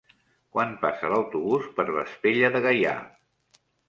Quan passa l'autobús per Vespella de Gaià?